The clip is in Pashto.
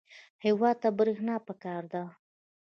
هېواد ته برېښنا پکار ده